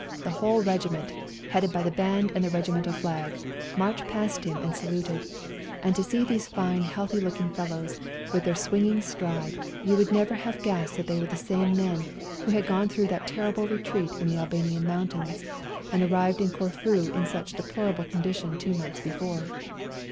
The whole regi ment, headed by the band and the regi mental flag, marched past him and saluted, and to see these fine healthy looking fellows, with their swinging stride, you would never have guessed they were the same men who had gone through that terrible retreat in the Albanian mountains 238 " SLAVA DAY " and arrived at Corfu in such a deplorable condition two months before.